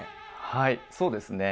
はいそうですね